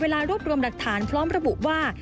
ขอเวลารวดรวมรักฐานพร้อมระบุว่า